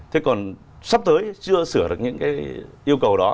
thế còn sắp tới chưa sửa được những cái yêu cầu đó